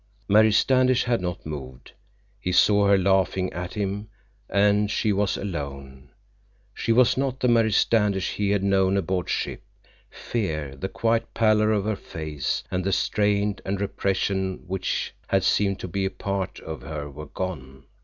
Mary Standish had not moved. He saw her laughing at him, and she was alone. She was not the Mary Standish he had known aboard ship. Fear, the quiet pallor of her face, and the strain and repression which had seemed to be a part of her were gone.